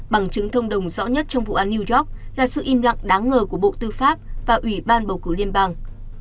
bằng chứng thông đồng rõ nhất trong vụ án new york là sự im lặng đáng ngờ của bộ tư pháp và ủy ban bầu cử liên bang